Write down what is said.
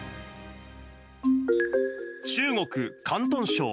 中国・広東省。